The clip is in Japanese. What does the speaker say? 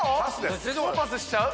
もうパスしちゃう？